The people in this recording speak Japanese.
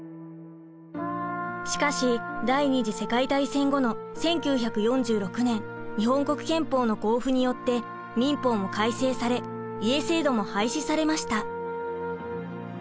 しかし第２次世界大戦後の１９４６年日本国憲法の公布によって民法も改正され家制度も廃止されました。